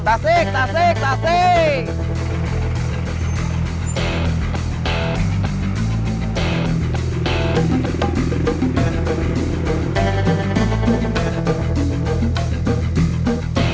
tasik tasik tasik